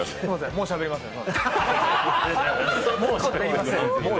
もうしゃべりません。